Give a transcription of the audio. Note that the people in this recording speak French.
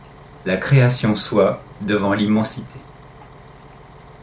La création soit, devant l’immensité